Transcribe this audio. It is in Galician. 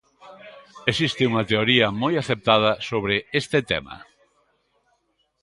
Existe unha teoría moi aceptada sobre este tema.